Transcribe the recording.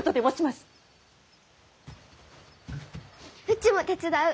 うちも手伝う。